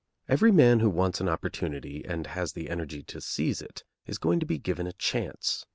Every man who wants an opportunity and has the energy to seize it, is going to be given a chance.